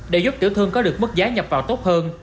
để giúp tiểu thương có được mức giá nhập vào tốt hơn